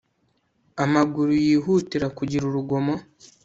Amaguru yihutira kugira urugomo